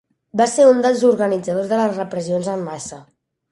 Va ser un dels organitzadors de les repressions en massa.